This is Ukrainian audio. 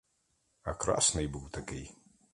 А красний був такий!